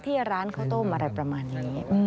ที่ร้านข้าวต้มอะไรประมาณนี้